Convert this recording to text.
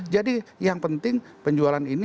jadi yang penting penjualan ini